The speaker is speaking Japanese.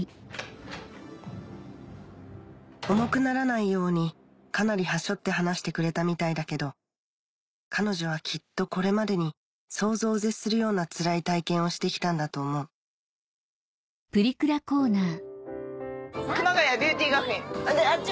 重くならないようにかなり端折って話してくれたみたいだけど彼女はきっとこれまでに想像を絶するようなつらい体験をしてきたんだと思う熊谷ビューティー学院あっち